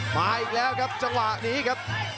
มาอีกแล้วครับจังหวะนี้ครับ